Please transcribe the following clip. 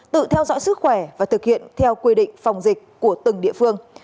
tự theo dõi sức khỏe và thực hiện theo quy định phòng dịch của từng địa phương